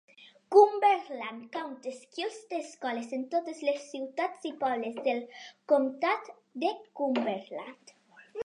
Cumberland County Schools té escoles en totes les ciutats i pobles del comtat de Cumberland.